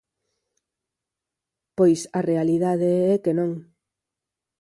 Pois a realidade é que non.